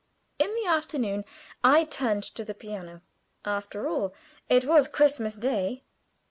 In the afternoon I turned to the piano. After all it was Christmas day.